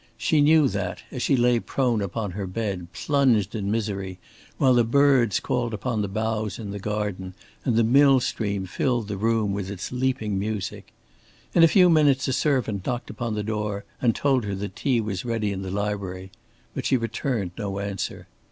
She knew that, as she lay prone upon her bed, plunged in misery, while the birds called upon the boughs in the garden and the mill stream filled the room with its leaping music. In a few minutes a servant knocked upon the door and told her that tea was ready in the library; but she returned no answer.